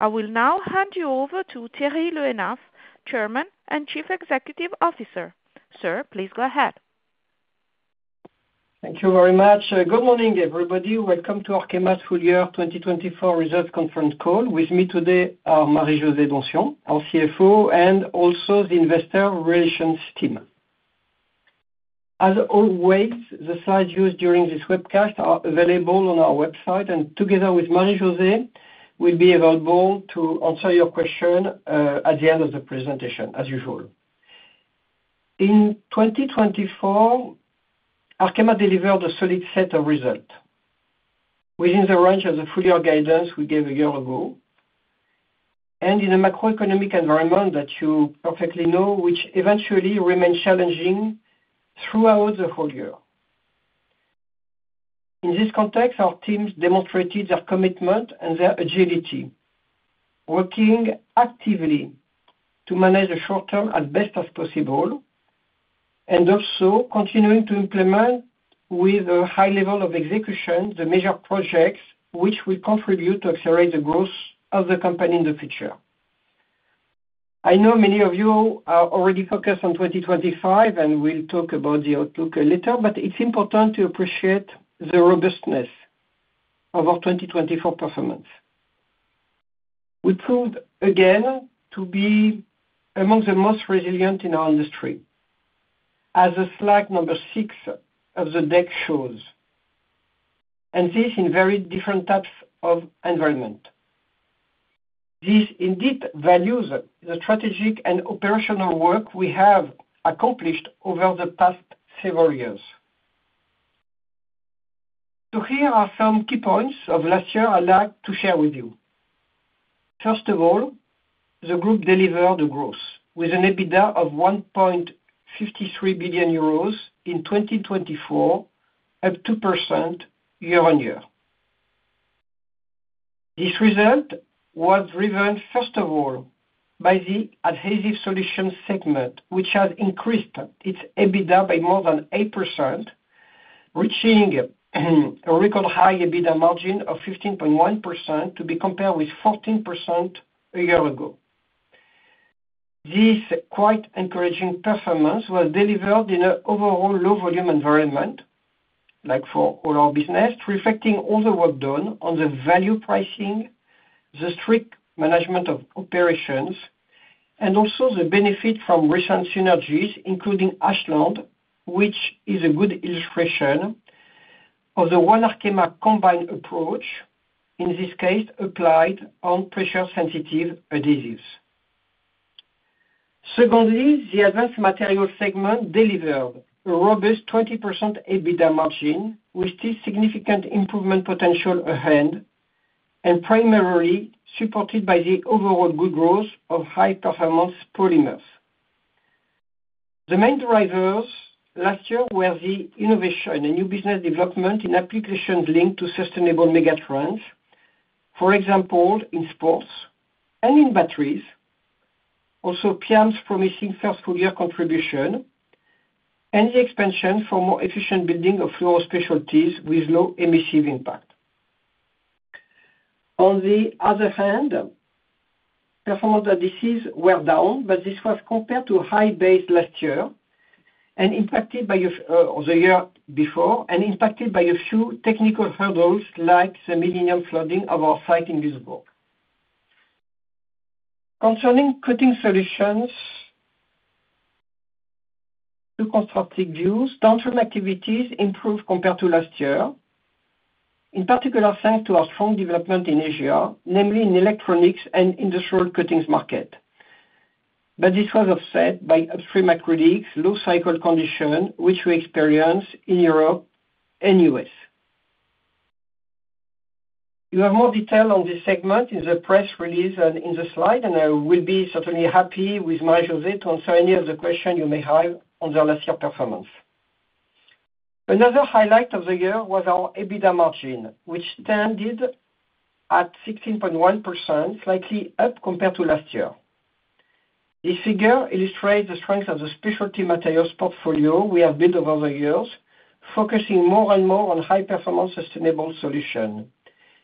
I will now hand you over to Thierry Le Hénaff, Chairman and Chief Executive Officer. Sir, please go ahead. Thank you very much. Good morning, everybody. Welcome to Arkema 2024 Results Conference Call. With me today are Marie-José Donsion, our CFO, and also the Investor Relations Team. As always, the slides used during this webcast are available on our website, and together with Marie-José, we'll be available to answer your questions at the end of the presentation, as usual. In 2024, Arkema delivered a solid set of results within the range of the full-year guidance we gave a year ago, and in a macroeconomic environment that you perfectly know, which eventually remained challenging throughout the full year. In this context, our teams demonstrated their commitment and their agility, working actively to manage the short-term as best as possible, and also continuing to implement with a high level of execution the major projects which will contribute to accelerate the growth of the company in the future. I know many of you are already focused on 2025, and we'll talk about the outlook later, but it's important to appreciate the robustness of our 2024 performance. We proved again to be among the most resilient in our industry, as the slide number six of the deck shows, and this in very different types of environments. This indeed values the strategic and operational work we have accomplished over the past several years. So here are some key points of last year I'd like to share with you. First of all, the group delivered the growth with an EBITDA of 1.53 billion euros in 2024, up 2% year-on-year. This result was driven, first of all, by the Adhesive Solutions segment, which has increased its EBITDA by more than 8%, reaching a record high EBITDA margin of 15.1% to be compared with 14% a year ago. This quite encouraging performance was delivered in an overall low-volume environment, like for all our business, reflecting all the work done on the value pricing, the strict management of operations, and also the benefit from recent synergies, including Ashland, which is a good illustration of the One Arkema combined approach, in this case applied on pressure-sensitive adhesives. Secondly, the Advanced Materials segment delivered a robust 20% EBITDA margin, with still significant improvement potential ahead, and primarily supported by the overall good growth of High-Performance Polymers. The main drivers last year were the innovation and new business development in applications linked to sustainable megatrends, for example, in sports and in batteries, also PIAM's promising first full-year contribution, and the expansion for more efficient building insulation with low emissive impact. On the other hand, Performance Adhesives were down, but this was compared to high base last year and impacted by the year before and impacted by a few technical hurdles like the millennium flooding of our site in Lisbon. Concerning Coating Solutions, two contrasting views: downstream activities improved compared to last year, in particular thanks to our strong development in Asia, namely in electronics and industrial coatings market. But this was offset by upstream Acrylics low cycle condition, which we experienced in Europe and U.S. You have more detail on this segment in the press release and in the slide, and I will be certainly happy with Marie-José to answer any of the questions you may have on their last year performance. Another highlight of the year was our EBITDA margin, which stands at 16.1%, slightly up compared to last year. This figure illustrates the strength of the specialty materials portfolio we have built over the years, focusing more and more on high-performance sustainable solutions.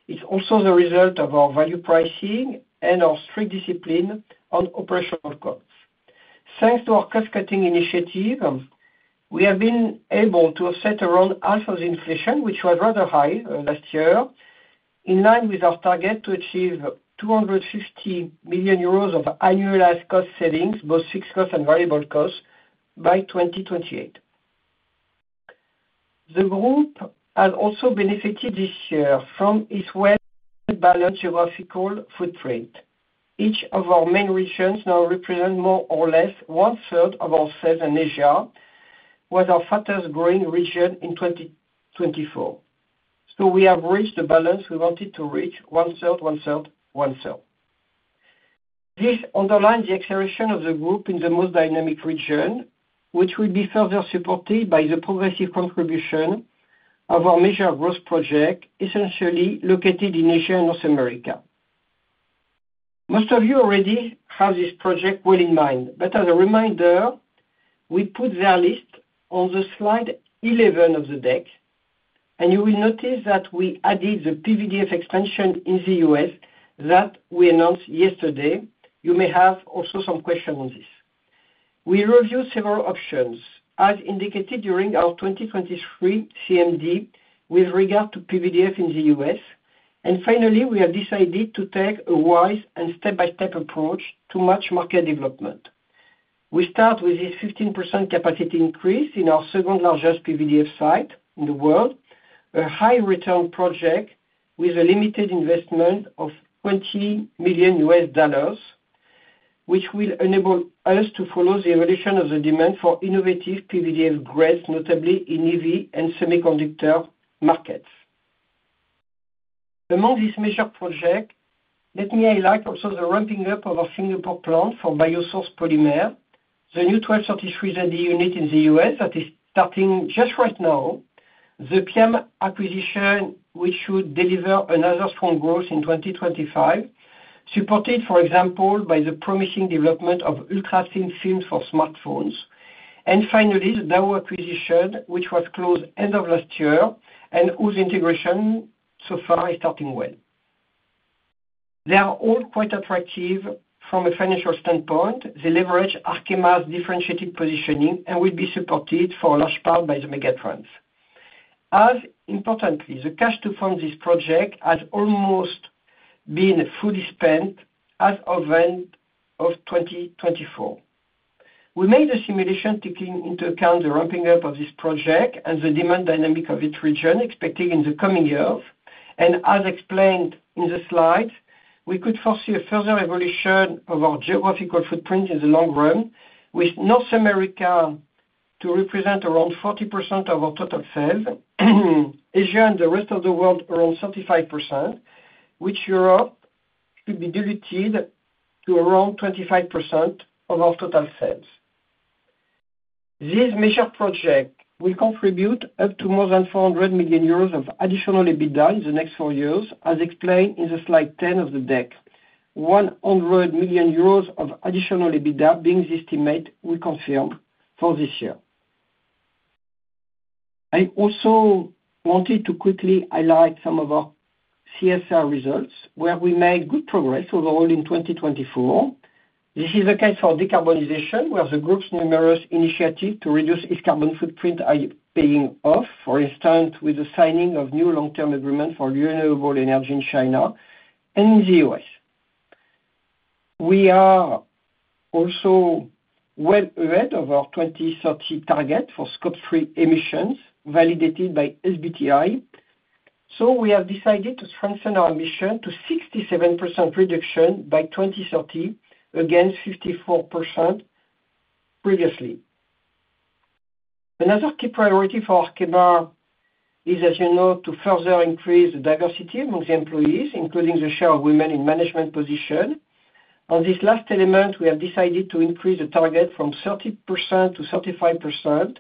It's also the result of our value pricing and our strict discipline on operational costs. Thanks to our cost-cutting initiative, we have been able to offset around half of the inflation, which was rather high last year, in line with our target to achieve 250 million euros of annualized cost savings, both fixed costs and variable costs, by 2028. The group has also benefited this year from its well-balanced geographical footprint. Each of our main regions now represent more or less one-third of our sales. Asia was our fastest-growing region in 2024. So we have reached the balance we wanted to reach: one-third, one-third, one-third. This underlines the acceleration of the group in the most dynamic region, which will be further supported by the progressive contribution of our major growth project, essentially located in Asia and North America. Most of you already have this project well in mind, but as a reminder, we put the list on Slide 11 of the deck, and you will notice that we added the PVDF expansion in the U.S. that we announced yesterday. You may have also some questions on this. We reviewed several options, as indicated during our 2023 CMD with regard to PVDF in the U.S., and finally, we have decided to take a wise and step-by-step approach to match market development. We start with this 15% capacity increase in our second-largest PVDF site in the world, a high-return project with a limited investment of $20 million, which will enable us to follow the evolution of the demand for innovative PVDF grids, notably in EV and semiconductor markets. Among these major projects, let me highlight also the ramping up of our Singapore plant for bio-sourced polymer, the new 1233zd unit in the U.S. that is starting just right now, the PI acquisition which should deliver another strong growth in 2025, supported, for example, by the promising development of ultra-thin films for smartphones, and finally, the Dow acquisition which was closed end of last year and whose integration so far is starting well. They are all quite attractive from a financial standpoint. They leverage Arkema's differentiated positioning and will be supported for a large part by the megatrends. As importantly, the cash to fund this project has almost been fully spent as of end of 2024. We made a simulation taking into account the ramping up of this project and the demand dynamic of its region expected in the coming years. And as explained in the slides, we could foresee a further evolution of our geographical footprint in the long run, with North America to represent around 40% of our total sales, Asia and the rest of the world around 35%, which Europe should be diluted to around 25% of our total sales. This major project will contribute up to more than 400 million euros of additional EBITDA in the next four years, as explained in slide 10 of the deck. 100 million euros of additional EBITDA being the estimate we confirm for this year. I also wanted to quickly highlight some of our CSR results, where we made good progress overall in 2024. This is the case for decarbonization, where the group's numerous initiatives to reduce its carbon footprint are paying off, for instance, with the signing of new long-term agreements for renewable energy in China and in the U.S. We are also well ahead of our 2030 target for Scope 3 emissions validated by SBTi. So we have decided to strengthen our ambition to 67% reduction by 2030 against 54% previously. Another key priority for Arkema is, as you know, to further increase the diversity among the employees, including the share of women in management positions. On this last element, we have decided to increase the target from 30%-35%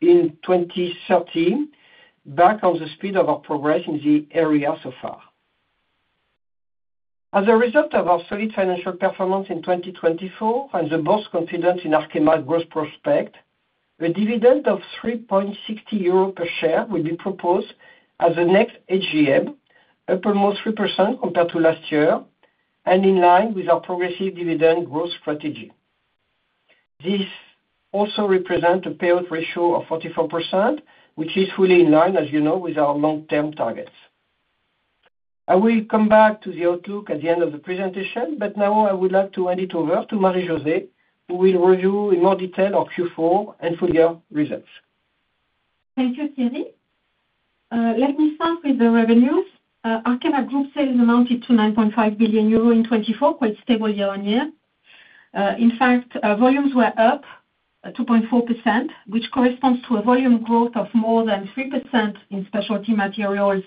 in 2030, based on the speed of our progress in the area so far. As a result of our solid financial performance in 2024 and the Board's confidence in Arkema's growth prospects, a dividend of 3.60 euro per share will be proposed at the next AGM, up almost 3% compared to last year, and in line with our progressive dividend growth strategy. This also represents a payout ratio of 44%, which is fully in line, as you know, with our long-term targets. I will come back to the outlook at the end of the presentation, but now I would like to hand it over to Marie-José, who will review in more detail our Q4 and full-year results. Thank you, Thierry. Let me start with the revenues. Arkema Group's sales amounted to 9.5 billion euro in 2024, quite stable year-on-year. In fact, volumes were up 2.4%, which corresponds to a volume growth of more than 3% in specialty materials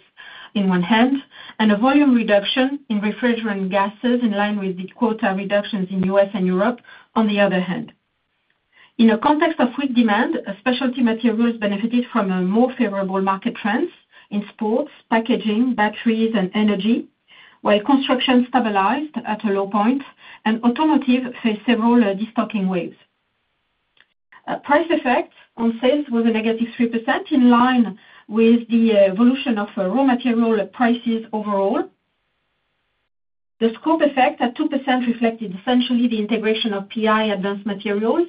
on the one hand, and a volume reduction in refrigerant gases in line with the quota reductions in the U.S. and Europe on the other hand. In a context of weak demand, specialty materials benefited from more favorable market trends in sports, packaging, batteries, and energy, while construction stabilized at a low point, and automotive faced several destocking waves. Price effect on sales was a negative 3%, in line with the evolution of raw material prices overall. The scope effect at 2% reflected essentially the integration of PI Advanced Materials.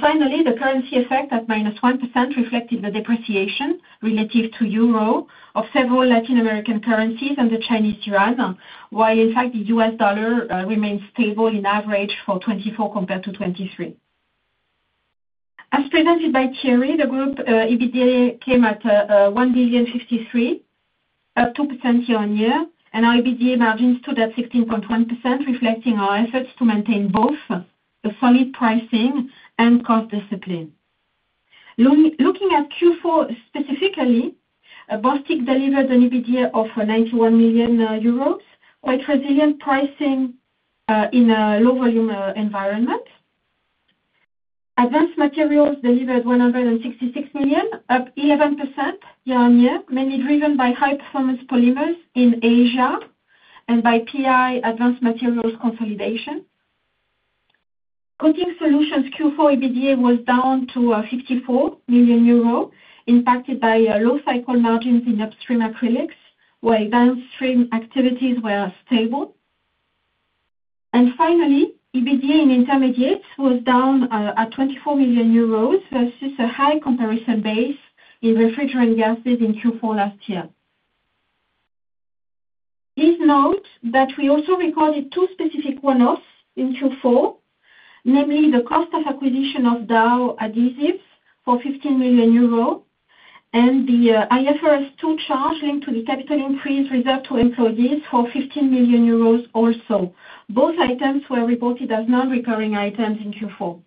Finally, the currency effect at minus 1% reflected the depreciation relative to euro of several Latin American currencies and the Chinese yuan, while in fact the U.S. dollar remained stable in average for 2024 compared to 2023. As presented by Thierry, the group EBITDA came at 1.53, up 2% year-on-year, and our EBITDA margins stood at 16.1%, reflecting our efforts to maintain both solid pricing and cost discipline. Looking at Q4 specifically, Bostik delivered an EBITDA of 91 million euros, quite resilient pricing in a low-volume environment. Advanced Materials delivered 166 million, up 11% year-on-year, mainly driven by high-performance polymers in Asia and by PI Advanced Materials consolidation. Coating Solutions Q4 EBITDA was down to 54 million euro, impacted by low cycle margins in upstream acrylics, while downstream activities were stable. Finally, EBITDA in Intermediates was down at 24 million euros versus a high comparison base in refrigerant gases in Q4 last year. Please note that we also recorded two specific one-offs in Q4, namely the cost of acquisition of Dow adhesives for 15 million euros and the IFRS 2 charge linked to the capital increase reserved to employees for 15 million euros also. Both items were reported as non-recurring items in Q4.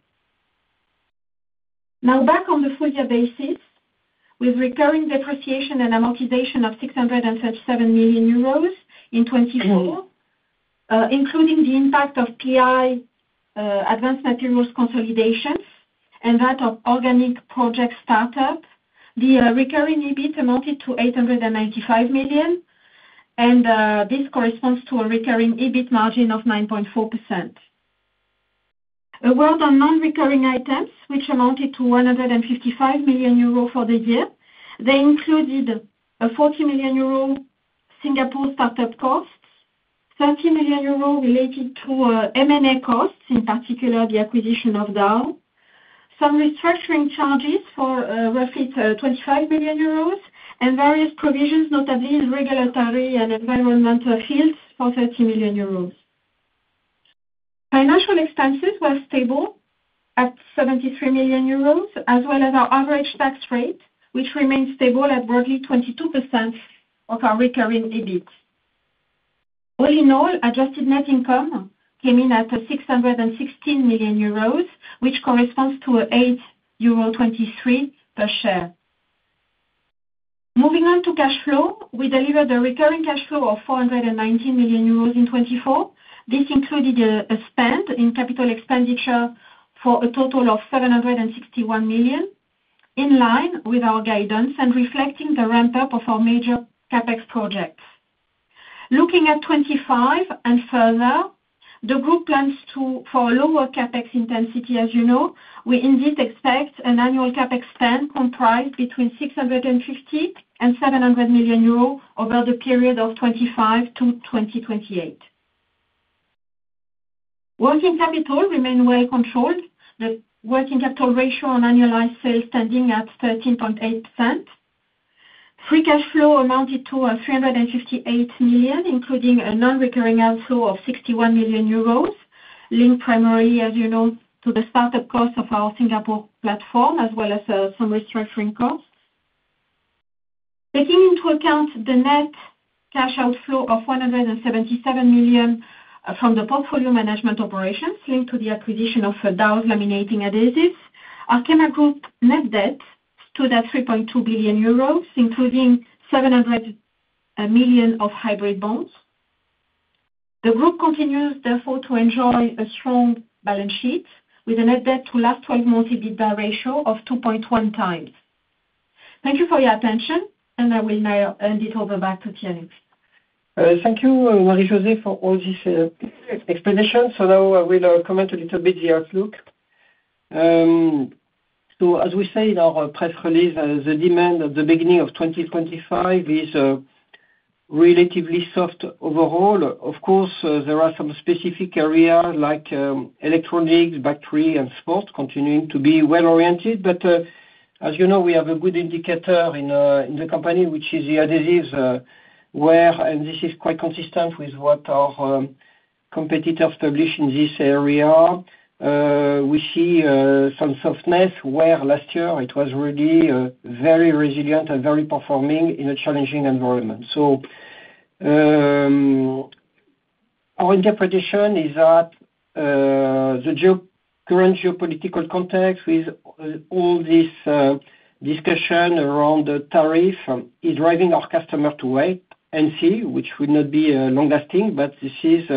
Now, back on the full-year basis, with recurring depreciation and amortization of 637 million euros in 2024, including the impact of PI Advanced Materials consolidations and that of organic project startup, the recurring EBIT amounted to 895 million, and this corresponds to a recurring EBIT margin of 9.4%. A word on non-recurring items, which amounted to 155 million euros for the year. They included 40 million euro Singapore startup costs, 30 million euros related to M&A costs, in particular the acquisition of Dow, some restructuring charges for roughly 25 million euros, and various provisions, notably in regulatory and environmental fields, for 30 million euros. Financial expenses were stable at 73 million euros, as well as our average tax rate, which remained stable at broadly 22% of our recurring EBIT. All in all, adjusted net income came in at 616 million euros, which corresponds to 8.23 euros per share. Moving on to cash flow, we delivered a recurring cash flow of 419 million euros in 2024. This included a spend in capital expenditure for a total of 761 million, in line with our guidance and reflecting the ramp-up of our major CapEx projects. Looking at 2025 and further, the group plans for a lower CapEx intensity, as you know. We indeed expect an annual CapEx spend comprised between 650 and 700 million euros over the period of 2025 to 2028. Working capital remained well controlled. The working capital ratio on annualized sales standing at 13.8%. Free cash flow amounted to 358 million, including a non-recurring outflow of 61 million euros, linked primarily, as you know, to the startup costs of our Singapore platform, as well as some restructuring costs. Taking into account the net cash outflow of 177 million from the portfolio management operations linked to the acquisition of Dow's laminating adhesives, Arkema Group net debt stood at 3.2 billion euros, including 700 million of hybrid bonds. The group continues, therefore, to enjoy a strong balance sheet with a net debt to last 12-month EBITDA ratio of 2.1x. Thank you for your attention, and I will now hand it over back to Thierry. Thank you, Marie-José, for all these explanations. So now I will comment a little bit on the outlook. So, as we said in our press release, the demand at the beginning of 2025 is relatively soft overall. Of course, there are some specific areas like electronics, battery, and sports continuing to be well oriented. But as you know, we have a good indicator in the company, which is the adhesives, where this is quite consistent with what our competitors publish in this area. We see some softness, where last year it was really very resilient and very performing in a challenging environment. So, our interpretation is that the current geopolitical context with all this discussion around tariffs is driving our customers to wait and see, which will not be long-lasting, but this is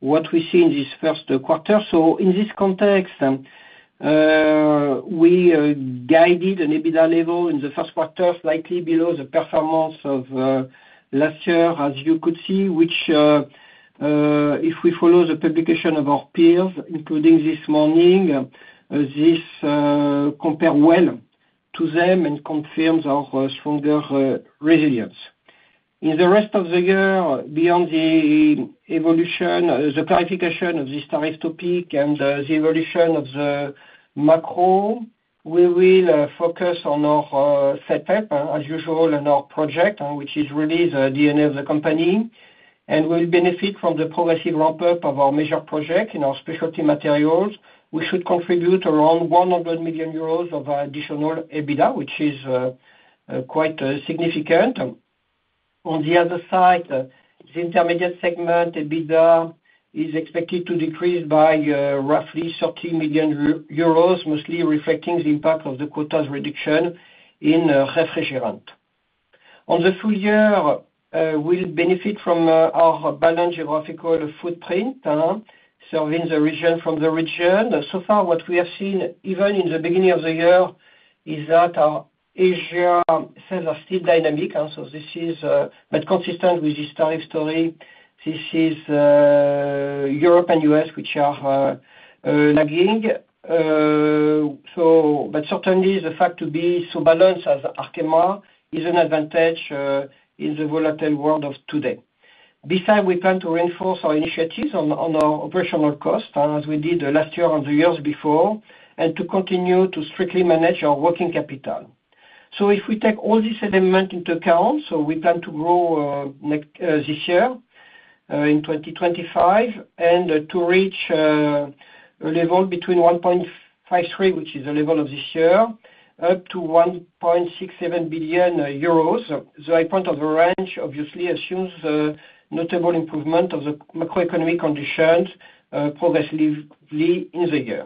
what we see in this first quarter. In this context, we guided an EBITDA level in the first quarter slightly below the performance of last year, as you could see, which, if we follow the publication of our peers, including this morning, this compares well to them and confirms our stronger resilience. In the rest of the year, beyond the evolution, the clarification of this tariff topic and the evolution of the macro, we will focus on our setup, as usual, and our project, which is really the DNA of the company. We'll benefit from the progressive ramp-up of our major projects in our specialty materials, which should contribute around 100 million euros of additional EBITDA, which is quite significant. On the other side, the Intermediate segment EBITDA is expected to decrease by roughly 30 million euros, mostly reflecting the impact of the quotas reduction in refrigerants. On the full year, we'll benefit from our balanced geographical footprint, serving the region from the region. So far, what we have seen, even in the beginning of the year, is that Asia has a strong dynamic. So this is, but consistent with this tariff story, this is Europe and the U.S., which are lagging. So, but certainly, the fact to be so balanced as Arkema is an advantage in the volatile world of today. Besides, we plan to reinforce our initiatives on our operational costs, as we did last year and the years before, and to continue to strictly manage our working capital. So, if we take all these elements into account, so we plan to grow this year in 2025 and to reach a level between 1.53 billion, which is the level of this year, up to 1.67 billion euros. The high point of the range, obviously, assumes notable improvement of the macroeconomic conditions progressively in the year.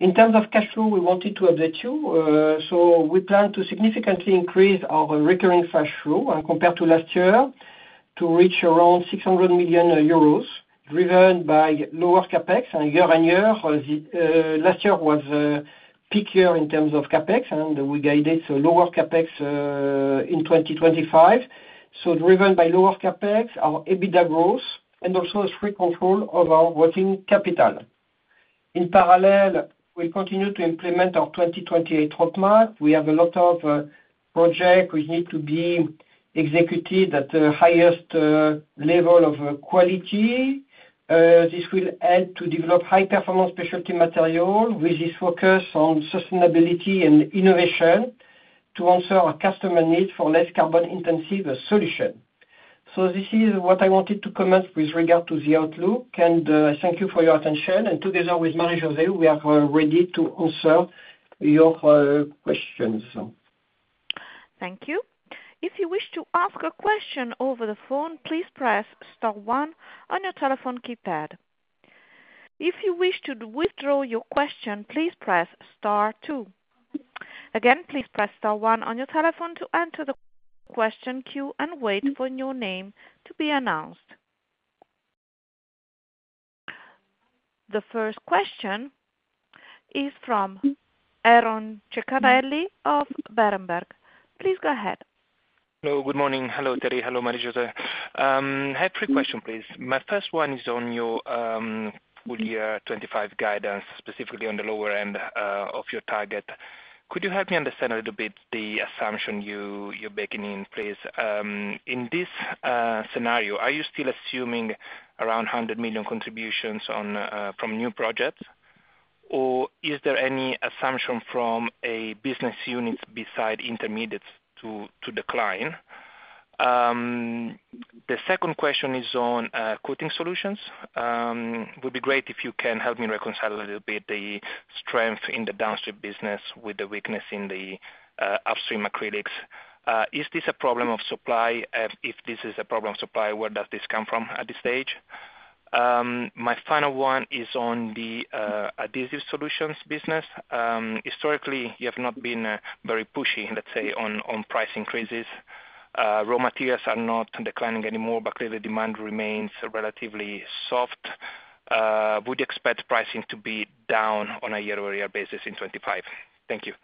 In terms of cash flow, we wanted to update you. So, we plan to significantly increase our recurring cash flow compared to last year to reach around 600 million euros, driven by lower CapEx. And year-on-year, last year was a peak year in terms of CapEx, and we guided lower CapEx in 2025. So, driven by lower CapEx, our EBITDA growth, and also strict control of our working capital. In parallel, we'll continue to implement our 2028 roadmap. We have a lot of projects which need to be executed at the highest level of quality. This will help to develop high-performance specialty materials with this focus on sustainability and innovation to answer our customer needs for less carbon-intensive solutions. So, this is what I wanted to comment with regard to the outlook, and I thank you for your attention. And together with Marie-José, we are ready to answer your questions. Thank you. If you wish to ask a question over the phone, please press Star 1 on your telephone keypad. If you wish to withdraw your question, please press Star 2. Again, please press Star 1 on your telephone to enter the question queue and wait for your name to be announced. The first question is from Aron Ceccarelli of Berenberg. Please go ahead. Hello, good morning. Hello, Thierry. Hello, Marie-José. I have three questions, please. My first one is on your full-year 2025 guidance, specifically on the lower end of your target. Could you help me understand a little bit the assumption you're baking in, please? In this scenario, are you still assuming around 100 million contributions from new projects, or is there any assumption from a business unit beside Intermediates to decline? The second question is on Coating Solutions. It would be great if you can help me reconcile a little bit the strength in the downstream business with the weakness in the upstream acrylics. Is this a problem of supply? If this is a problem of supply, where does this come from at this stage? My final one is on the Adhesive Solutions business. Historically, you have not been very pushy, let's say, on price increases. Raw materials are not declining anymore, but clearly, demand remains relatively soft. Would you expect pricing to be down on a year-over-year basis in 2025? Thank you.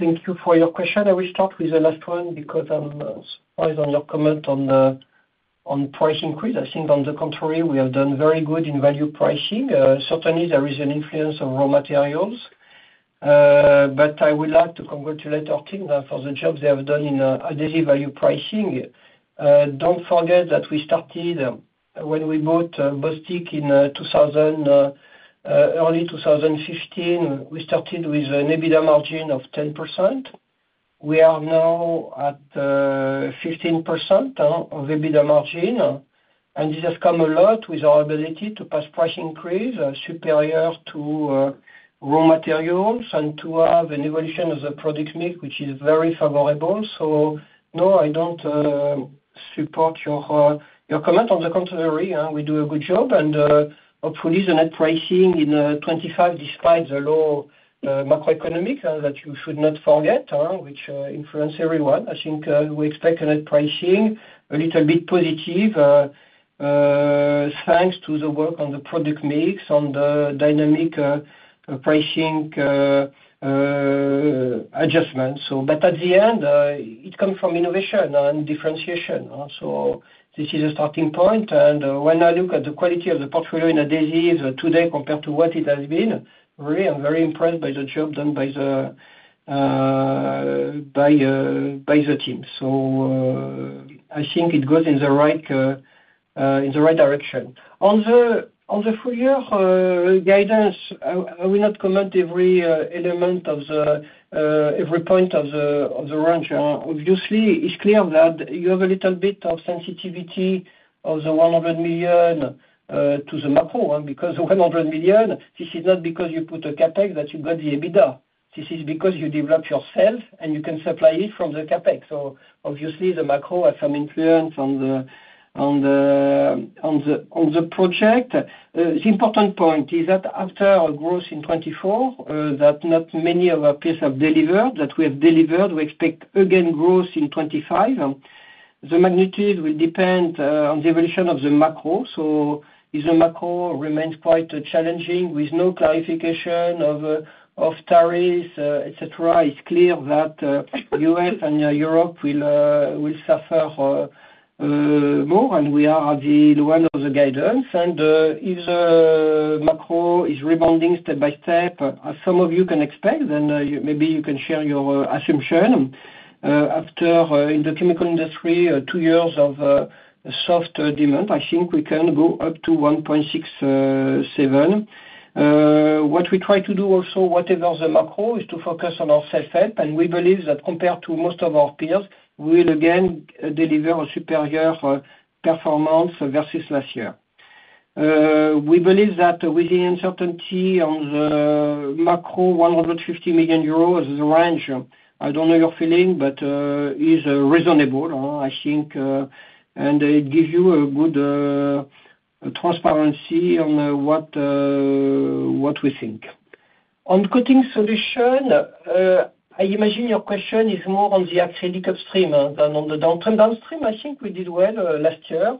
Thank you for your question. I will start with the last one because I'm surprised on your comment on price increase. I think, on the contrary, we have done very good in value pricing. Certainly, there is an influence of raw materials, but I would like to congratulate team for the job they have done in adhesive value pricing. Don't forget that we started when we bought Bostik in early 2015. We started with an EBITDA margin of 10%. We are now at 15% of EBITDA margin, and this has come a lot with our ability to pass price increase superior to raw materials and to have an evolution of the product mix, which is very favorable. So, no, I don't support your comment. On the contrary, we do a good job, and hopefully, the net pricing in 2025, despite the low macroeconomic that you should not forget, which influences everyone, I think we expect a net pricing a little bit positive thanks to the work on the product mix and the dynamic pricing adjustments. But at the end, it comes from innovation and differentiation. So, this is a starting point. And when I look at the quality of the portfolio in adhesives today compared to what it has been, really, I'm very impressed by the job done by the team. So, I think it goes in the right direction. On the full-year guidance, I will not comment on every point of the range. Obviously, it's clear that you have a little bit of sensitivity of the 100 million to the macro because the 100 million, this is not because you put a CapEx that you got the EBITDA. This is because you develop yourself, and you can supply it from the CapEx. So, obviously, the macro has some influence on the project. The important point is that after a growth in 2024, that not many of our peers have delivered, that we have delivered, we expect again growth in 2025. The magnitude will depend on the evolution of the macro. So, if the macro remains quite challenging with no clarification of tariffs, etc., it's clear that the U.S. and Europe will suffer more, and we are at the low end of the guidance. If the macro is rebounding step by step, as some of you can expect, then maybe you can share your assumption. After in the chemical industry, two years of soft demand, I think we can go up to 1.67%. What we try to do also, whatever the macro, is to focus on our self-help. We believe that compared to most of our peers, we will again deliver a superior performance versus last year. We believe that with the uncertainty on the macro, 150 million euros as the range, I don't know your feeling, but it's reasonable, I think, and it gives you a good transparency on what we think. On Coating Solutions, I imagine your question is more on the acrylic upstream than on the downstream. Downstream, I think we did well last year.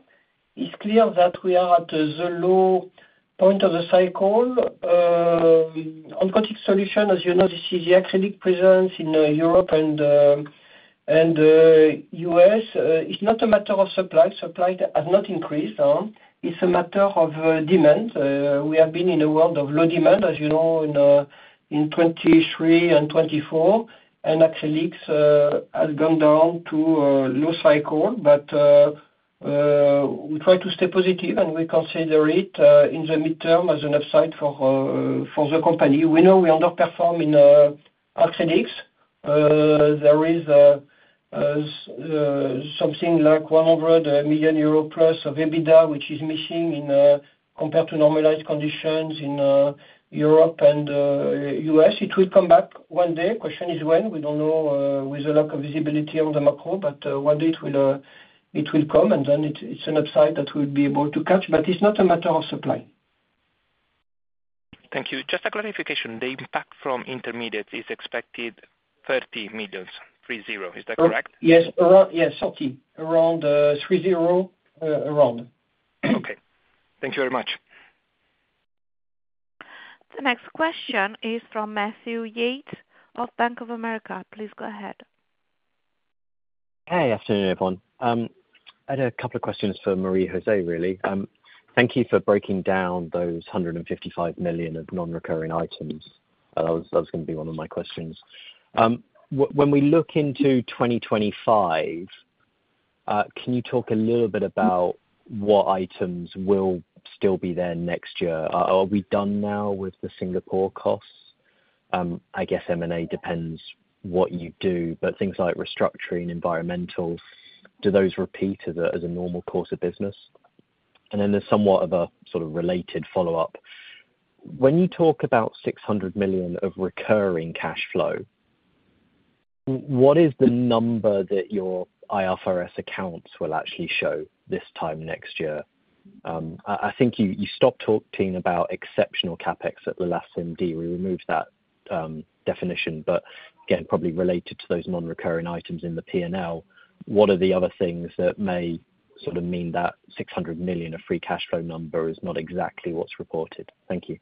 It's clear that we are at the low point of the cycle. On Coating Solutions, as you know, this is the acrylics presence in Europe and the U.S. It's not a matter of supply. Supply has not increased. It's a matter of demand. We have been in a world of low demand, as you know, in 2023 and 2024, and acrylics have gone down to low cycle. But we try to stay positive, and we consider it in the midterm as an upside for the company. We know we underperform in acrylics. There is something like 100 million euro plus of EBITDA, which is missing compared to normalized conditions in Europe and the U.S. It will come back one day. The question is when. We don't know with a lack of visibility on the macro, but one day it will come, and then it's an upside that we'll be able to catch. But it's not a matter of supply. Thank you. Just a clarification. The impact from intermediates is expected 30 million, 30. Is that correct? Yes. Yes. 30 million. Around 30 million. Okay. Thank you very much. The next question is from Matthew Yates of Bank of America. Please go ahead. Hey, afternoon, everyone. I had a couple of questions for Marie-José, really. Thank you for breaking down those 155 million of non-recurring items. That was going to be one of my questions. When we look into 2025, can you talk a little bit about what items will still be there next year? Are we done now with the Singapore costs? I guess M&A depends what you do, but things like restructuring and environmental, do those repeat as a normal course of business? And then there's somewhat of a sort of related follow-up. When you talk about 600 million of recurring cash flow, what is the number that your IFRS accounts will actually show this time next year? I think you stopped talking about exceptional CapEx at the last MD. We removed that definition, but again, probably related to those non-recurring items in the P&L. What are the other things that may sort of mean that 600 million of free cash flow number is not exactly what's reported? Thank you.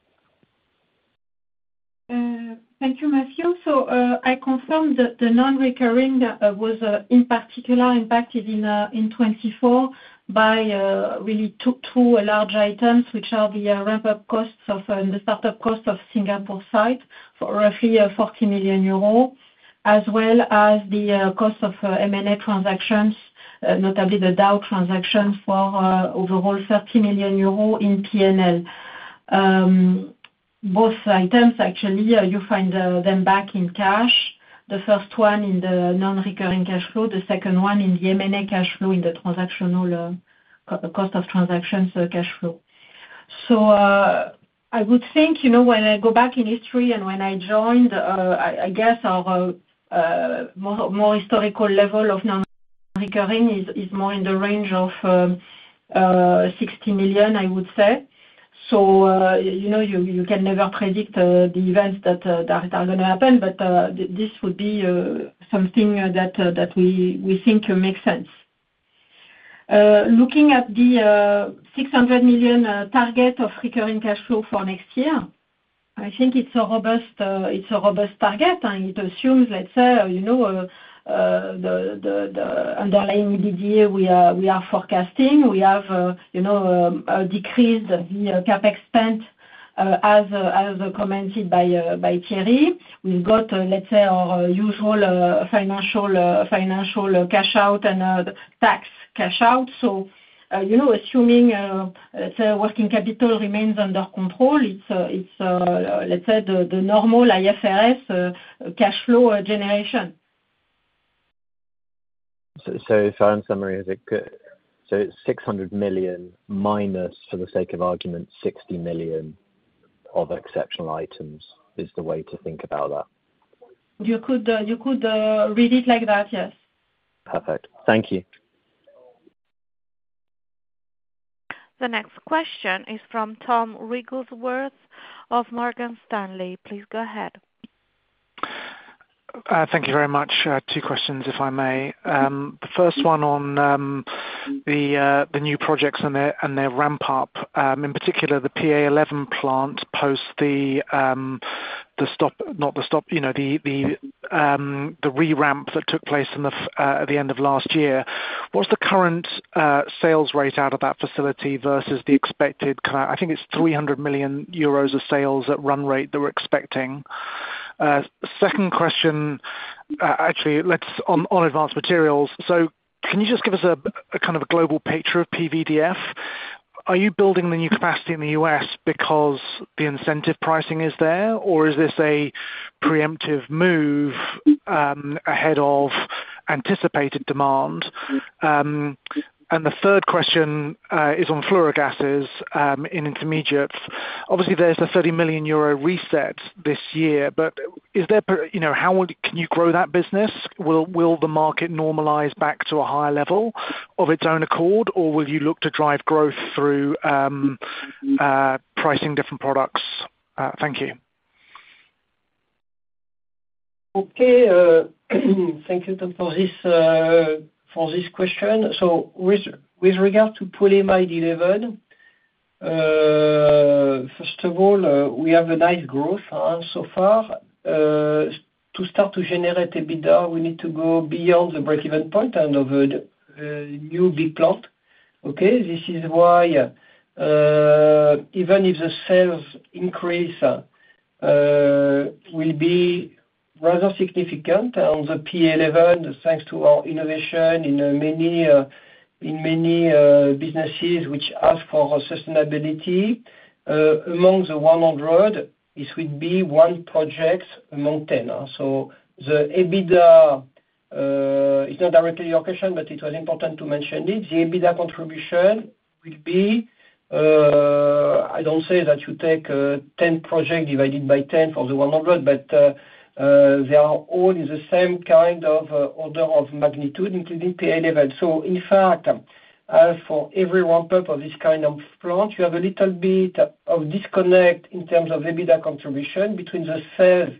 Thank you, Matthew. So I confirm that the non-recurring was in particular impacted in 2024 by really two large items, which are the ramp-up costs and the start-up costs of the Singapore side for roughly 40 million euros, as well as the cost of M&A transactions, notably the Dow transactions for overall 30 million euro in P&L. Both items, actually, you find them back in cash. The first one in the non-recurring cash flow, the second one in the M&A cash flow in the transactional cost of transactions cash flow. So I would think when I go back in history and when I joined, I guess our more historical level of non-recurring is more in the range of 60 million, I would say. So you can never predict the events that are going to happen, but this would be something that we think makes sense. Looking at the 600 million target of recurring cash flow for next year, I think it's a robust target. It assumes, let's say, the underlying EBITDA we are forecasting. We have decreased the CapEx spent, as commented by Thierry. We've got, let's say, our usual financial cash out and tax cash out. So assuming, let's say, working capital remains under control, it's, let's say, the normal IFRS cash flow generation. If I'm summarizing, so it's 600 million minus, for the sake of argument, 60 million of exceptional items is the way to think about that. You could read it like that, yes. Perfect. Thank you. The next question is from Tom Wrigglesworth of Morgan Stanley. Please go ahead. Thank you very much. Two questions, if I may. The first one on the new projects and their ramp-up, in particular, the PA11 plant post the stop, not the stop, the re-ramp that took place at the end of last year. What's the current sales rate out of that facility versus the expected? I think it's 300 million euros of sales at run rate that we're expecting. Second question, actually, on Advanced Materials. So can you just give us a kind of a global picture of PVDF? Are you building the new capacity in the U.S. because the incentive pricing is there, or is this a preemptive move ahead of anticipated demand? And the third question is on Fluorogases in Intermediates. Obviously, there's a 30 million euro reset this year, but how can you grow that business? Will the market normalize back to a higher level of its own accord, or will you look to drive growth through pricing different products? Thank you. Okay. Thank you for this question. So with regard to polyamide 11, first of all, we have a nice growth so far. To start to generate EBITDA, we need to go beyond the break-even point and of a new big plant. Okay? This is why even if the sales increase will be rather significant on the PA11, thanks to our innovation in many businesses which ask for sustainability. Among the 100, it would be one project among 10. So the EBITDA is not directly your question, but it was important to mention it. The EBITDA contribution will be, I don't say that you take 10 projects divided by 10 for the 100, but they are all in the same kind of order of magnitude, including PA11. So in fact, for every ramp-up of this kind of plant, you have a little bit of disconnect in terms of EBITDA contribution between the sales,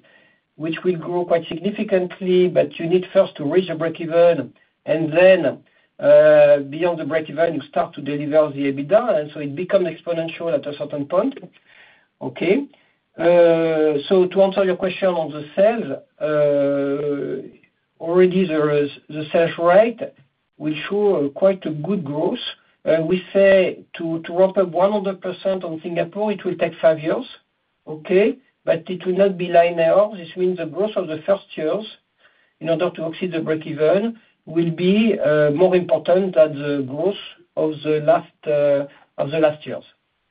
which will grow quite significantly, but you need first to reach a break-even, and then beyond the break-even, you start to deliver the EBITDA, and so it becomes exponential at a certain point. Okay? So to answer your question on the sales, already the sales rate will show quite a good growth. We say to ramp up 100% on Singapore, it will take five years. Okay? But it will not be linear. This means the growth of the first years in order to exceed the break-even will be more important than the growth of the last years.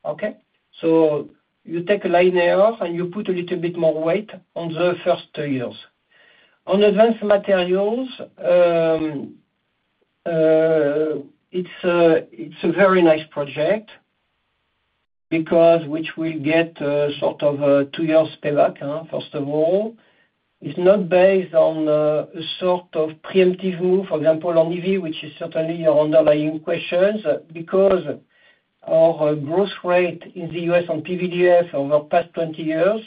Okay? So you take a linear and you put a little bit more weight on the first years. On advanced materials, it's a very nice project because which will get sort of a two-year payback, first of all. It's not based on a sort of preemptive move, for example, on EV, which is certainly your underlying questions, because our growth rate in the U.S. on PVDF over the past 20 years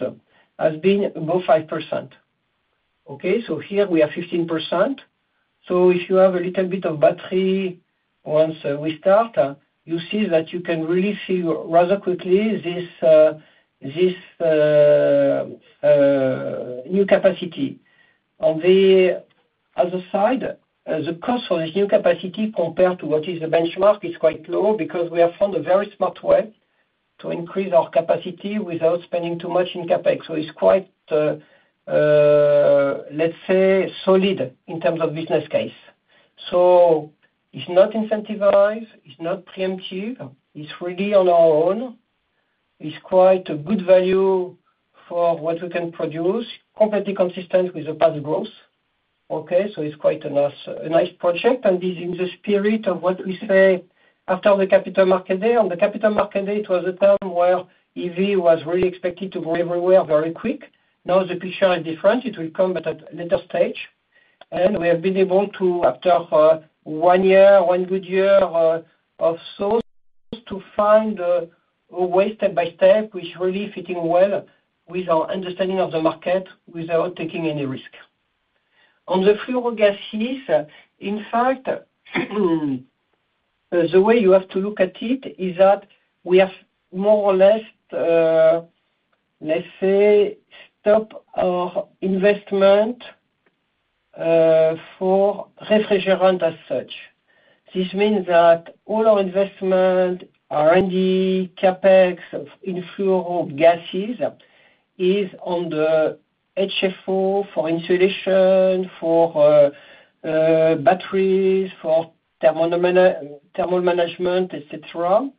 has been above 5%. Okay? So here we are 15%. So if you have a little bit of battery once we start, you see that you can really see rather quickly this new capacity. On the other side, the cost for this new capacity compared to what is the benchmark is quite low because we have found a very smart way to increase our capacity without spending too much in CapEx. So it's quite, let's say, solid in terms of business case. So it's not incentivized. It's not preemptive. It's really on our own. It's quite a good value for what we can produce, completely consistent with the past growth. Okay? So it's quite a nice project. And it's in the spirit of what we say after the capital market day. On the capital market day, it was a time where EV was really expected to go everywhere very quick. Now the picture is different. It will come at a later stage. And we have been able to, after one year, one good year of sourcing, to find a way step by step, which is really fitting well with our understanding of the market without taking any risk. On the Fluorogases, in fact, the way you have to look at it is that we have more or less, let's say, stopped our investment for refrigerant as such. This means that all our investment, R&D, CapEx in Fluorogases, is on the HFO for insulation, for batteries, for thermal management, etc.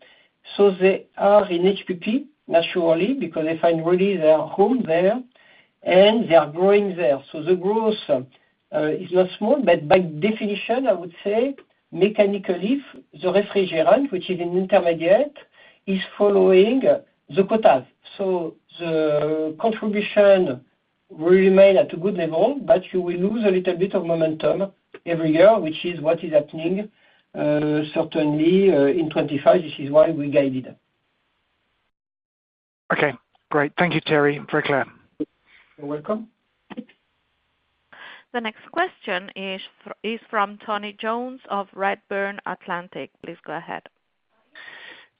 So they are in HPP naturally because they find really their home there, and they are growing there. So the growth is not small, but by definition, I would say, mechanically, the refrigerant, which is an intermediate, is following the quotas. So the contribution will remain at a good level, but you will lose a little bit of momentum every year, which is what is happening certainly in 2025. This is why we guided it. Okay. Great. Thank you, Thierry. Very clear. You're welcome. The next question is from Tony Jones of Redburn Atlantic. Please go ahead.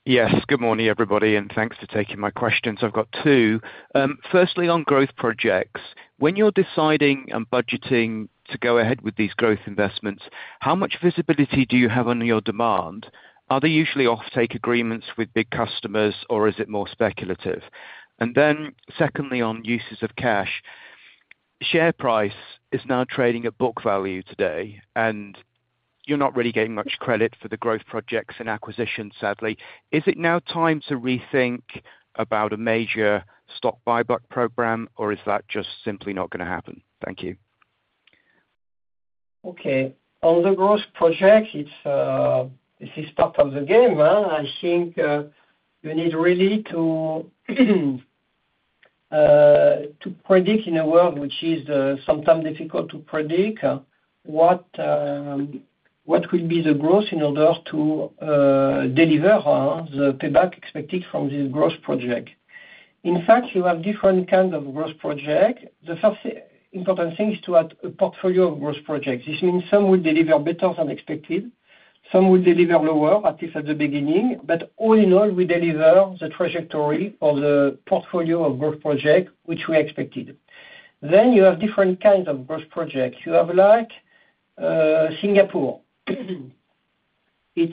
Yes. Good morning, everybody, and thanks for taking my questions. I've got two. Firstly, on growth projects, when you're deciding and budgeting to go ahead with these growth investments, how much visibility do you have on your demand? Are they usually off-take agreements with big customers, or is it more speculative? And then secondly, on uses of cash, share price is now trading at book value today, and you're not really getting much credit for the growth projects and acquisitions, sadly. Is it now time to rethink about a major stock buyback program, or is that just simply not going to happen? Thank you. Okay. On the growth project, this is part of the game. I think you need really to predict in a world which is sometimes difficult to predict what will be the growth in order to deliver the payback expected from this growth project. In fact, you have different kinds of growth projects. The first important thing is to add a portfolio of growth projects. This means some will deliver better than expected. Some will deliver lower, at least at the beginning, but all in all, we deliver the trajectory or the portfolio of growth projects which we expected. Then you have different kinds of growth projects. You have like Singapore. It's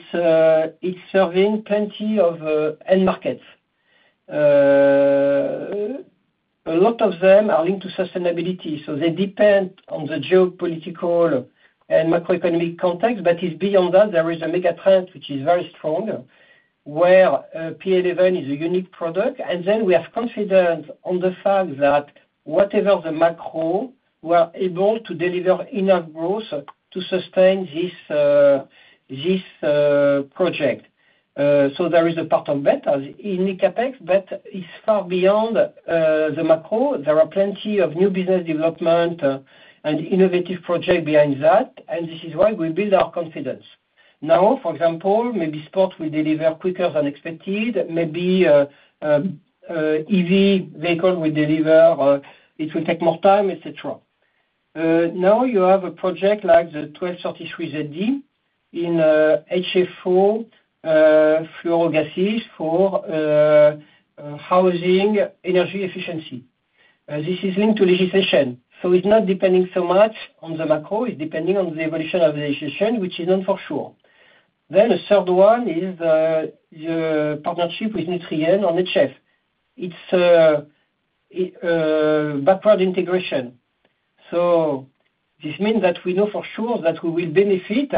serving plenty of end markets. A lot of them are linked to sustainability. They depend on the geopolitical and macroeconomic context, but beyond that, there is a mega trend which is very strong where PA11 is a unique product. And then we have confidence on the fact that whatever the macro, we are able to deliver enough growth to sustain this project. There is a part of bet in the CapEx, but it's far beyond the macro. There are plenty of new business development and innovative projects behind that, and this is why we build our confidence. Now, for example, maybe sports will deliver quicker than expected. Maybe EV vehicles will deliver. It will take more time, etc. Now you have a project like the 1233zd in HFO fluorogases for housing energy efficiency. This is linked to legislation. It's not depending so much on the macro. It's depending on the evolution of the legislation, which is not for sure. Then the third one is the partnership with Nutrien on HF. It's background integration. So this means that we know for sure that we will benefit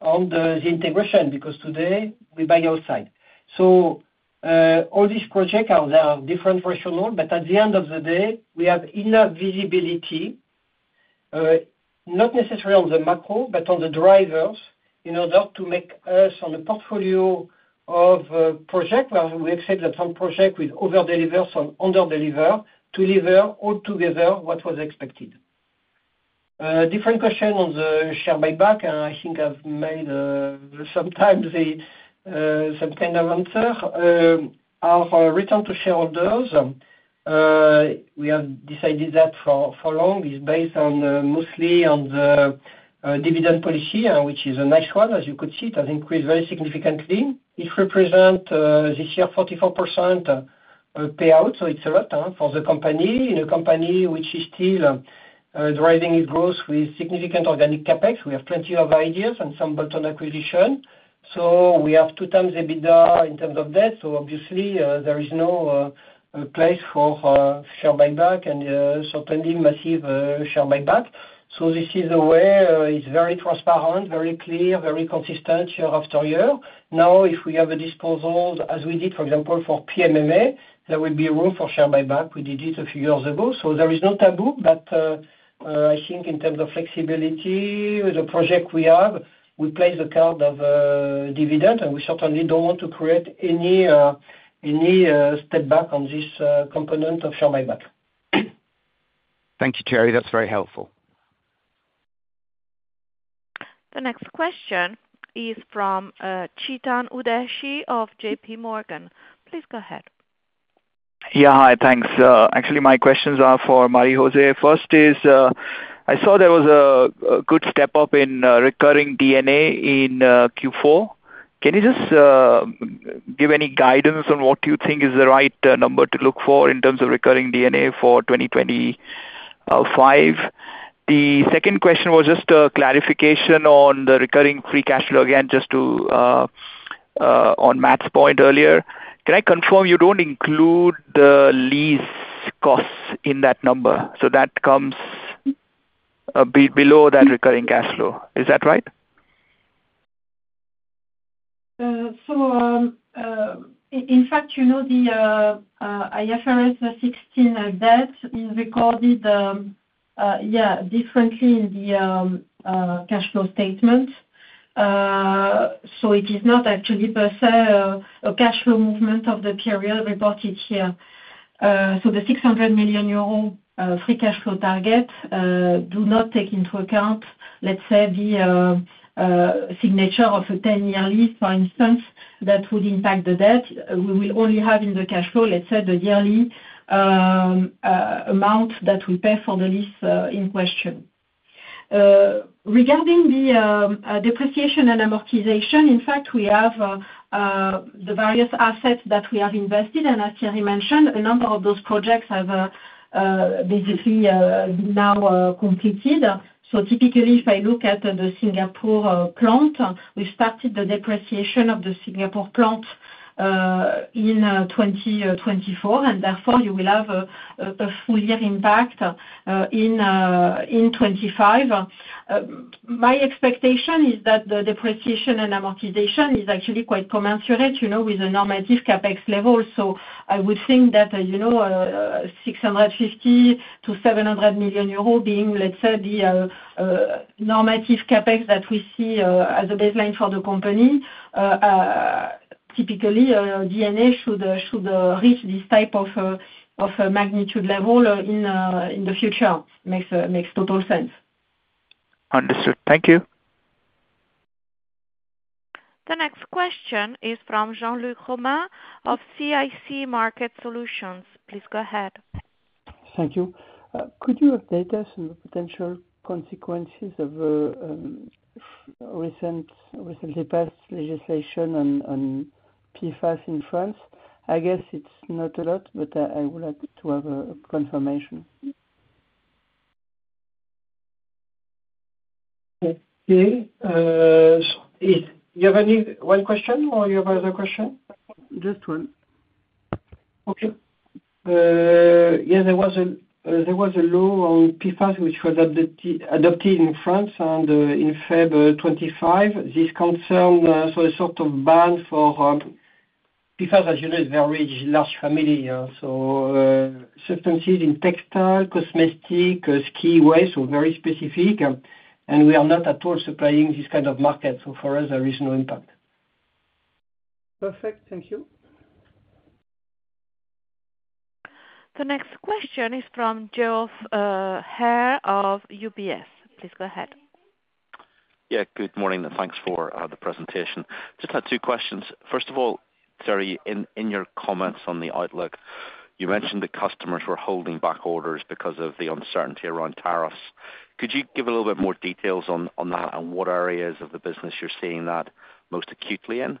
on the integration because today we buy outside. So all these projects are different versions of, but at the end of the day, we have enough visibility, not necessarily on the macro, but on the drivers in order to make us on the portfolio of projects where we accept that some projects will overdeliver or underdeliver to deliver altogether what was expected. Different question on the share buyback. I think I've made sometimes some kind of answer. Our return to shareholders, we have decided that for long is based mostly on the dividend policy, which is a nice one. As you could see, it has increased very significantly. It represents this year 44% payout, so it's a lot for the company. In a company which is still driving its growth with significant organic CapEx, we have plenty of ideas and some bolt-on acquisitions. So we have two times EBITDA in terms of debt. So obviously, there is no place for share buyback and certainly massive share buyback. So this is the way it's very transparent, very clear, very consistent year after year. Now, if we have a disposal as we did, for example, for PMMA, there will be room for share buyback. We did it a few years ago. So there is no taboo, but I think in terms of flexibility, the projects we have, we play the card of dividends, and we certainly don't want to create any step back on this component of share buyback. Thank you, Thierry. That's very helpful. The next question is from Chetan Udeshi of JP Morgan. Please go ahead. Yeah. Hi. Thanks. Actually, my questions are for Marie-José. First is, I saw there was a good step up in recurring EBITDA in Q4. Can you just give any guidance on what you think is the right number to look for in terms of recurring EBITDA for 2025? The second question was just a clarification on the recurring free cash flow again, just to on Matt's point earlier. Can I confirm you don't include the lease costs in that number? So that comes below that recurring cash flow. Is that right? In fact, the IFRS 16 debt is recorded, yeah, differently in the cash flow statement. So it is not actually per se a cash flow movement of the period reported here. So the 600 million euro free cash flow target does not take into account, let's say, the signature of a 10-year lease, for instance, that would impact the debt. We will only have in the cash flow, let's say, the yearly amount that we pay for the lease in question. Regarding the depreciation and amortization, in fact, we have the various assets that we have invested. And as Thierry mentioned, a number of those projects have basically now completed. So typically, if I look at the Singapore plant, we started the depreciation of the Singapore plant in 2024, and therefore you will have a full year impact in 2025. My expectation is that the depreciation and amortization is actually quite commensurate with the normative CapEx level. So I would think that 650 million-700 million euros being, let's say, the normative CapEx that we see as a baseline for the company. Typically, D&A should reach this type of magnitude level in the future. It makes total sense. Understood. Thank you. The next question is from Jean-Luc Romain of CIC Market Solutions. Please go ahead. Thank you. Could you update us on the potential consequences of recently passed legislation on PFAS in France? I guess it's not a lot, but I would like to have a confirmation. Okay. Do you have any one question, or do you have another question? Just one. Okay. Yeah. There was a law on PFAS which was adopted in France in February 2025. This concerns a sort of ban for PFAS. As you know, it is a very large family. So substances in textile, cosmetic, ski wear, so very specific. And we are not at all supplying this kind of market. So for us, there is no impact. Perfect. Thank you. The next question is from Geoff Haire of UBS. Please go ahead. Yeah. Good morning, and thanks for the presentation. Just had two questions. First of all, Thierry, in your comments on the outlook, you mentioned that customers were holding back orders because of the uncertainty around tariffs. Could you give a little bit more details on that and what areas of the business you're seeing that most acutely in?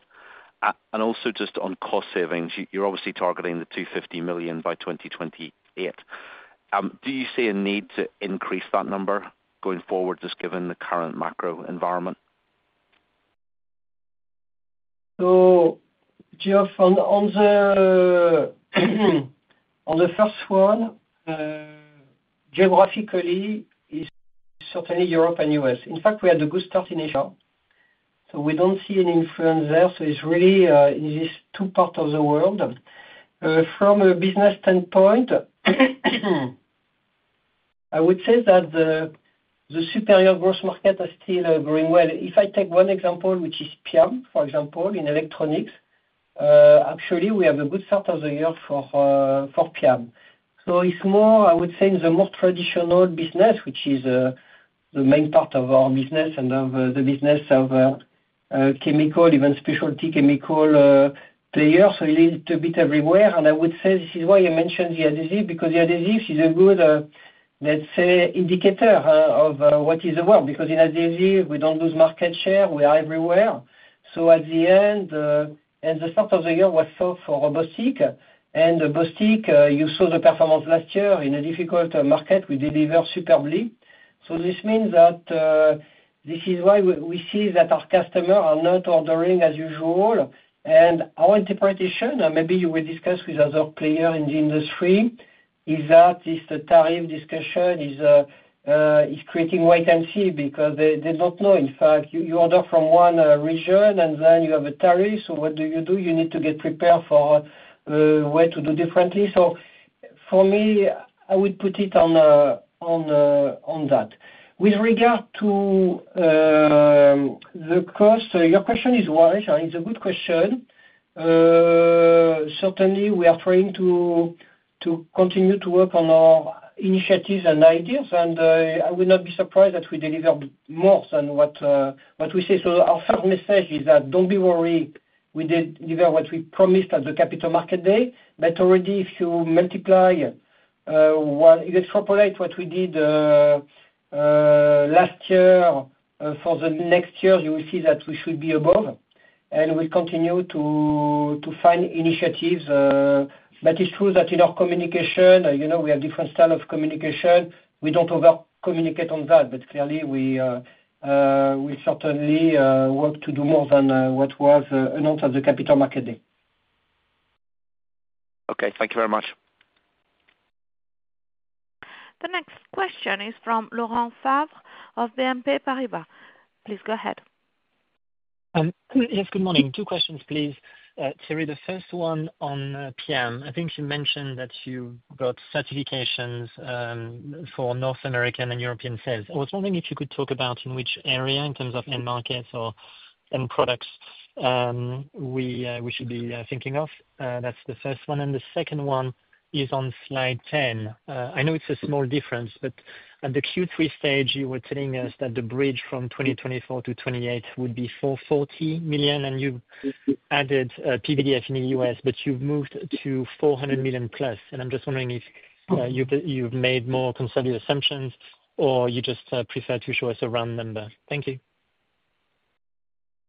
And also just on cost savings, you're obviously targeting the 250 million by 2028. Do you see a need to increase that number going forward, just given the current macro environment? Geoff, on the first one, geographically, it's certainly Europe and U.S. In fact, we had a good start in Asia. So we don't see any influence there. So it's really in these two parts of the world. From a business standpoint, I would say that the superior growth market is still growing well. If I take one example, which is PIAM, for example, in electronics, actually, we have a good start of the year for PIAM. So it's more, I would say, in the more traditional business, which is the main part of our business and of the business of chemical, even specialty chemical players. So it's a bit everywhere. And I would say this is why I mentioned the adhesive, because the adhesive is a good, let's say, indicator of what is the world. Because in adhesive, we don't lose market share. We are everywhere. So at the end, and the start of the year was soft for Bostik. And Bostik, you saw the performance last year in a difficult market. We deliver superbly. So this means that this is why we see that our customers are not ordering as usual. And our interpretation, and maybe you will discuss with other players in the industry, is that this tariff discussion is creating wait and see because they don't know. In fact, you order from one region, and then you have a tariff. So what do you do? You need to get prepared for a way to do differently. So for me, I would put it on that. With regard to the cost, your question is worrying. It's a good question. Certainly, we are trying to continue to work on our initiatives and ideas, and I would not be surprised that we deliver more than what we say. So our first message is that don't be worried. We did deliver what we promised at the Capital Market Day, but already, if you multiply or extrapolate what we did last year for the next year, you will see that we should be above, and we'll continue to find initiatives, but it's true that in our communication, we have different styles of communication. We don't over-communicate on that, but clearly, we will certainly work to do more than what was announced at the Capital Market Day. Okay. Thank you very much. The next question is from Laurent Favre of BNP Paribas. Please go ahead. Yes. Good morning. Two questions, please. Thierry, the first one on PIAM. I think you mentioned that you got certifications for North American and European sales. I was wondering if you could talk about in which area in terms of end markets or end products we should be thinking of. That's the first one. And the second one is on Slide 10. I know it's a small difference, but at the Q3 stage, you were telling us that the bridge from 2024 to 2028 would be 440 million, and you added PVDF in the U.S., but you've moved to 400 million plus. And I'm just wondering if you've made more conservative assumptions or you just prefer to show us a round number. Thank you.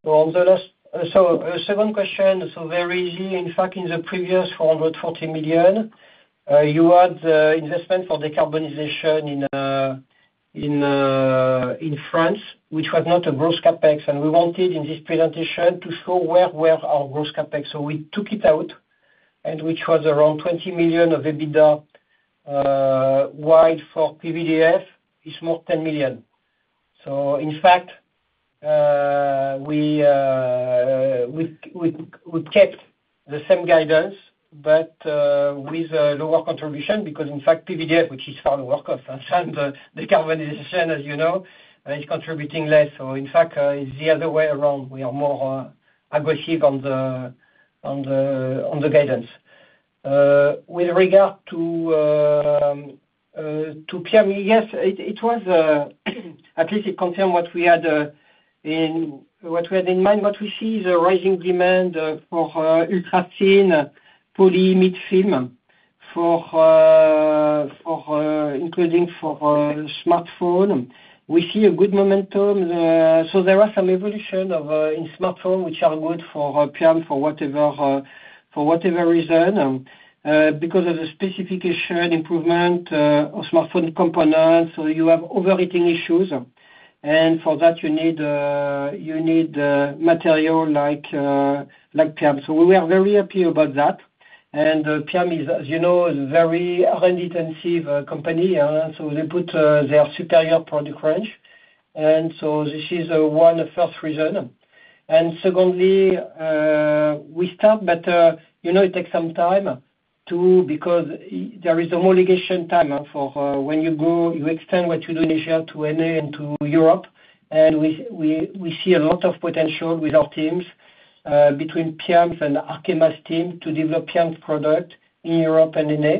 So the second question, so very easy. In fact, in the previous 440 million, you had investment for decarbonization in France, which was not a gross CapEx. And we wanted in this presentation to show where were our gross CapEx. So we took it out, and which was around €20 million of EBITDA wide for PVDF is more 10 million. So in fact, we kept the same guidance, but with a lower contribution because, in fact, PVDF, which is far lower cost, and the decarbonization, as you know, is contributing less. So in fact, it's the other way around. We are more aggressive on the guidance. With regard to PIAM, yes, it was at least it confirmed what we had in mind. What we see is a rising demand for ultra-thin polyimide film, including for smartphone. We see a good momentum. So there are some evolutions in smartphone, which are good for PIAM for whatever reason because of the specification improvement of smartphone components. So you have overheating issues. And for that, you need material like PIAM. So we were very happy about that. And PIAM is, as you know, a very energy-intensive company. So they put their superior product range. And so this is one first reason. And secondly, we start, but it takes some time too because there is homologation time for when you go extend what you do in Asia to NA and to Europe. And we see a lot of potential with our teams between PIAM and Arkema's team to develop PIAM product in Europe and NA.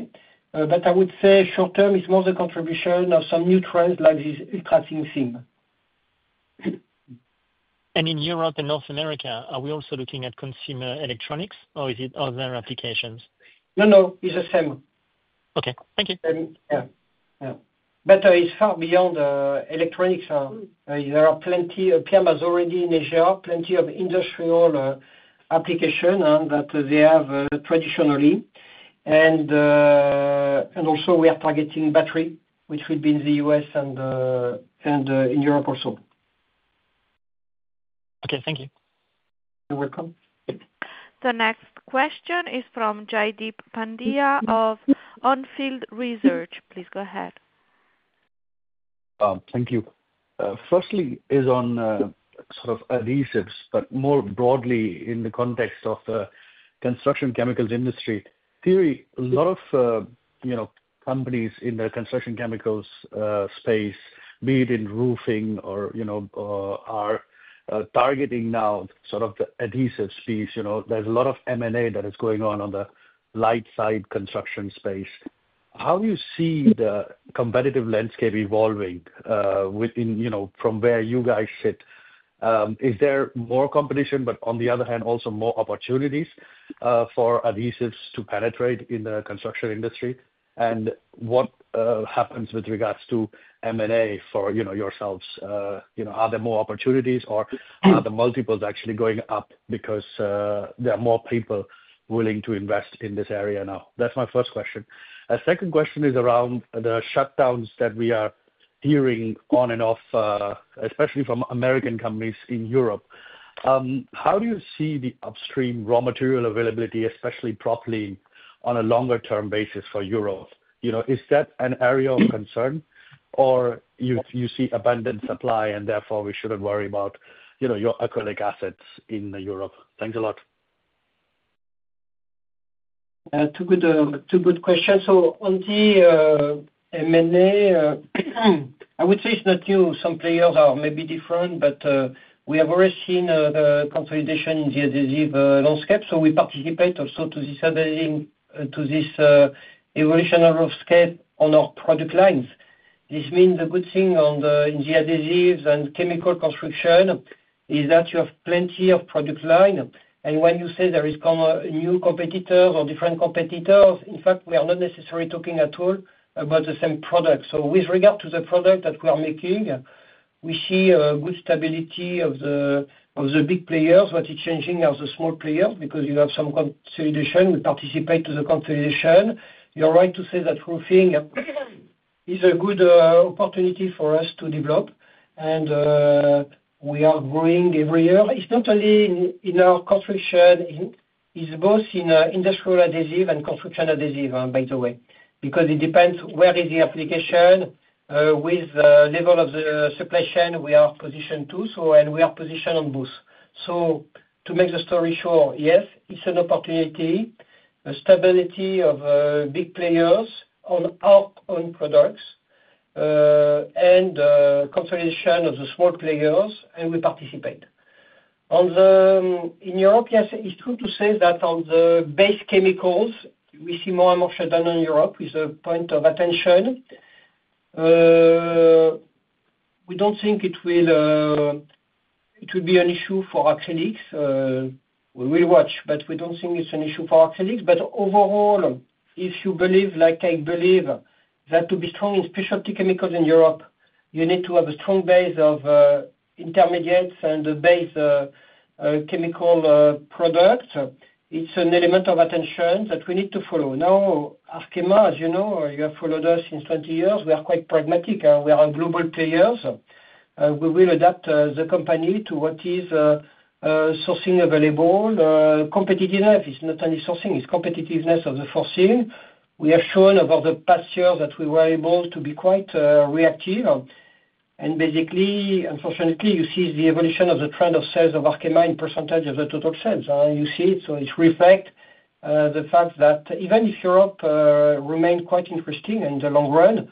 But I would say short-term, it's more the contribution of some new trends like this ultra-thin film. In Europe and North America, are we also looking at consumer electronics, or is it other applications? No, no. It's the same. Okay. Thank you. Yeah. Yeah. But it's far beyond electronics. There are plenty of PIAM is already in Asia, plenty of industrial applications that they have traditionally. And also, we are targeting battery, which will be in the U.S. and in Europe also. Okay. Thank you. You're welcome. The next question is from Jaideep Pandya of Onfield Research. Please go ahead. Thank you. Firstly is on sort of adhesives, but more broadly in the context of the construction chemicals industry. Thierry, a lot of companies in the construction chemicals space, be it in roofing or are targeting now sort of the adhesive space. There's a lot of M&A that is going on in the light side construction space. How do you see the competitive landscape evolving from where you guys sit? Is there more competition, but on the other hand, also more opportunities for adhesives to penetrate in the construction industry? And what happens with regards to M&A for yourselves? Are there more opportunities, or are the multiples actually going up because there are more people willing to invest in this area now? That's my first question. A second question is around the shutdowns that we are hearing on and off, especially from American companies in Europe. How do you see the upstream raw material availability, especially propylene, on a longer-term basis for Europe? Is that an area of concern, or you see abundant supply, and therefore, we shouldn't worry about your acrylic assets in Europe? Thanks a lot. Two good questions. So on the M&A, I would say it's not new. Some players are maybe different, but we have already seen the consolidation in the adhesive landscape. So we participate also to this evolutionary landscape on our product lines. This means a good thing in the adhesives and chemical construction is that you have plenty of product lines. And when you say there are new competitors or different competitors, in fact, we are not necessarily talking at all about the same product. So with regard to the product that we are making, we see good stability of the big players. What is changing are the small players because you have some consolidation. We participate to the consolidation. You're right to say that roofing is a good opportunity for us to develop, and we are growing every year. It's not only in our construction. It's both in industrial adhesive and construction adhesive, by the way, because it depends where is the application with the level of the supply chain we are positioned to, and we are positioned on both. So to make the story short, yes, it's an opportunity, stability of big players on our own products, and consolidation of the small players, and we participate. In Europe, yes, it's true to say that on the base chemicals, we see more and more shutdowns in Europe with the point of attention. We don't think it will be an issue for acrylics. We will watch, but we don't think it's an issue for acrylics. But overall, if you believe like I believe that to be strong in specialty chemicals in Europe, you need to have a strong base of intermediates and a base chemical product. It's an element of attention that we need to follow. Now, Arkema, as you know, you have followed us since 20 years. We are quite pragmatic. We are global players. We will adapt the company to what is sourcing available. Competitiveness is not only sourcing. It's competitiveness of the sourcing. We have shown over the past years that we were able to be quite reactive, and basically, unfortunately, you see the evolution of the trend of sales of Arkema in percentage of the total sales. You see it, so it reflects the fact that even if Europe remained quite interesting in the long run,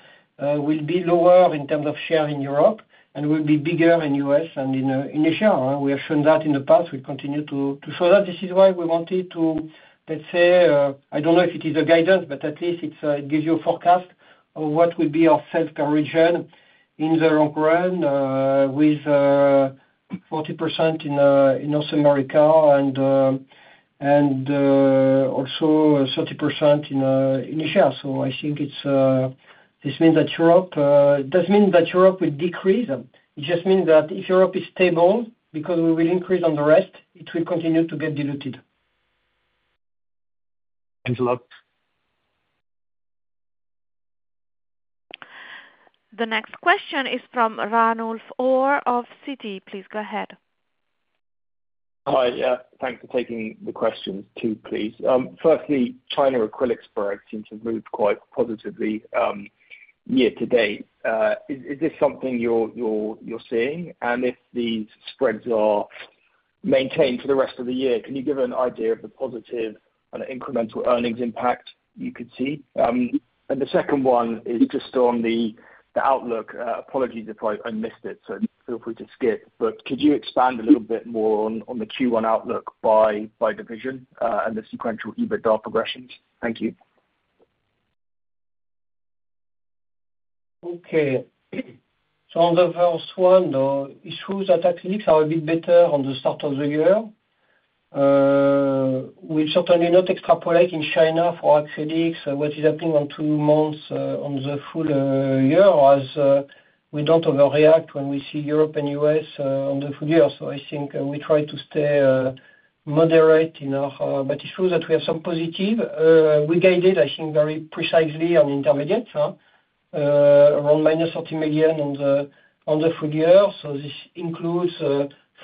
we'll be lower in terms of share in Europe and will be bigger in the U.S. and in Asia. We have shown that in the past. We continue to show that. This is why we wanted to, let's say, I don't know if it is a guidance, but at least it gives you a forecast of what would be our sales per region in the long run with 40% in North America and also 30% in Asia. So I think this means that Europe doesn't mean that Europe will decrease. It just means that if Europe is stable because we will increase on the rest, it will continue to get diluted. Thanks a lot. The next question is from Ranulf Orr of Citi. Please go ahead. Hi. Yeah. Thanks for taking the questions too, please. Firstly, China acrylics spreads seem to move quite positively year to date. Is this something you're seeing? And if these spreads are maintained for the rest of the year, can you give an idea of the positive and incremental earnings impact you could see? And the second one is just on the outlook. Apologies if I missed it, so feel free to skip. But could you expand a little bit more on the Q1 outlook by division and the sequential EBITDA progressions? Thank you. Okay. So on the first one, it shows that acrylics are a bit better on the start of the year. We'll certainly not extrapolate in China for acrylics. What is happening in two months on the full year as we don't overreact when we see Europe and U.S. on the full year. So I think we try to stay moderate in our but it shows that we have some positive. We guided, I think, very precisely on intermediates around 30 million on the full year. So this includes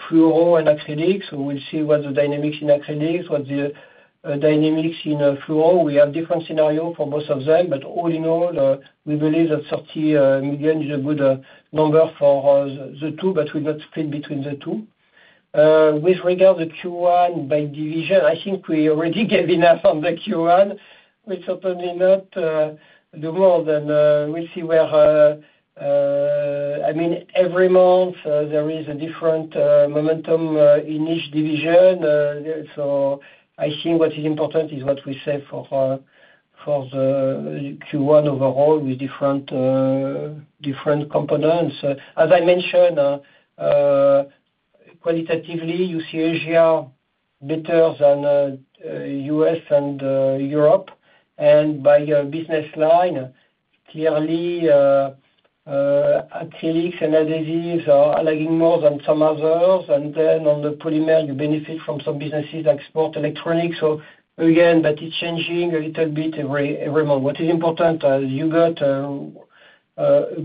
fluoro and acrylics. So we'll see what the dynamics in acrylics, what the dynamics in fluoro. We have different scenarios for both of them, but all in all, we believe that 30 million is a good number for the two, but we'll not fit between the two. With regard to Q1 by division, I think we already gave enough on the Q1. We certainly do not do more, then we'll see what I mean, every month, there is a different momentum in each division. So I think what is important is what we say for the Q1 overall with different components. As I mentioned, qualitatively, you see Asia better than U.S. and Europe. And by business line, clearly, acrylics and adhesives are lagging more than some others. And then on the polymer, you benefit from some businesses like sports, electronics. So again, but it's changing a little bit every month. What is important is you got a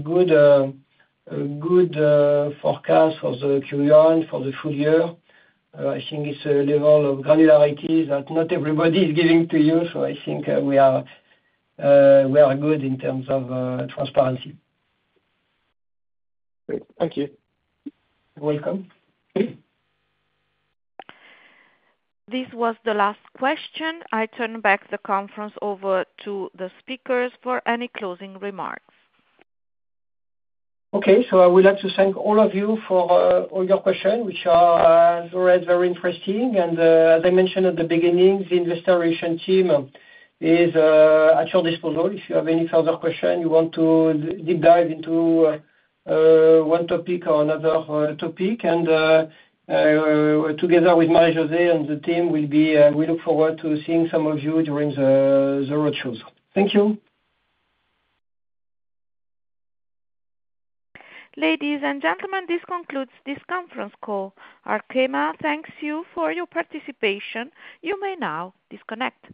good forecast for the Q1 for the full year. I think it's a level of granularity that not everybody is giving to you. So I think we are good in terms of transparency. Great. Thank you. You're welcome. This was the last question. I turn the conference back over to the speakers for any closing remarks. Okay. So I would like to thank all of you for all your questions, which are always very interesting, and as I mentioned at the beginning, the Investor Relations team is at your disposal. If you have any further questions, you want to deep dive into one topic or another topic, and together with Marie-José and the team, we look forward to seeing some of you during the roadshows. Thank you. Ladies and gentlemen, this concludes this conference call. Arkema thanks you for your participation. You may now disconnect.